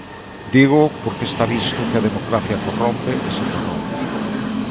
Dígoo porque está visto que a democracia corrompe e se corrompe.